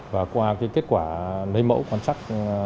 và qua kết quả lấy mẫu quan trắc